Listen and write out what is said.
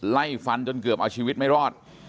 ไล่ฟันจนเกือบเอาชีวิตไม่รอด